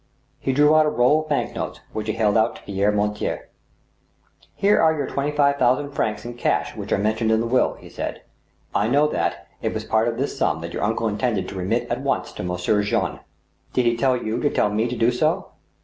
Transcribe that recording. He drew out a roll of bank notes, which he held out to Pierre Mortier. •* Here are your twenty five thousand francs in cash which are mentioned in the will," he said ;" I know that, it was part of this sum that your uncle intended to remit at once to Monsieur Jean —"" Did he tell you to tell me to do so